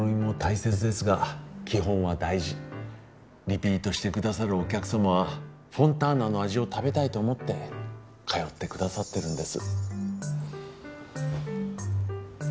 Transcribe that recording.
リピートしてくださるお客様はフォンターナの味を食べたいと思って通ってくださってるんです。